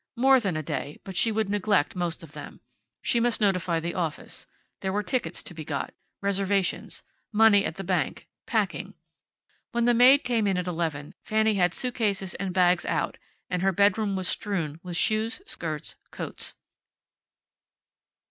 More than a day, but she would neglect most of them. She must notify the office. There were tickets to be got. Reservations. Money at the bank. Packing. When the maid came in at eleven Fanny had suitcases and bags out, and her bedroom was strewn with shoes, skirts, coats.